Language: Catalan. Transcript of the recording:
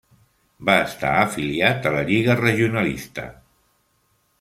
Va estar afiliat a la Lliga Regionalista.